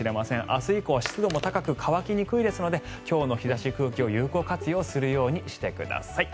明日以降は湿度も高く乾きにくいですので今日の日差し、空気を有効活用するようにしてください。